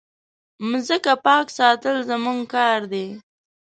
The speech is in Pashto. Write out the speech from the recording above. مځکه پاک ساتل زموږ کار دی.